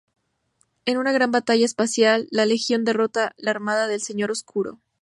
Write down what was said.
En una gran batalla espacial, la Legión derrota la armada del Señor Oscuro.